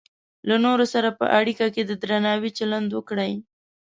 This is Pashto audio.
له نورو سره په اړیکه کې د درناوي چلند وکړئ.